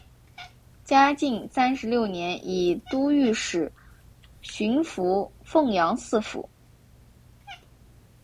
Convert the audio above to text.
嘉靖三十六年以都御史巡抚凤阳四府。